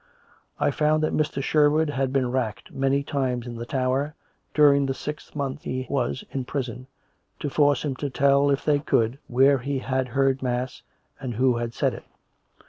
"' I found that Mr. Sherwood had been racked many times in the Tower, during the six months he was in prison, to force him to tell, if they could, where he had heard mass and who had said it.